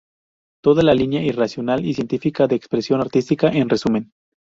Toda la línea irracional y científica de expresión artística, en resumen.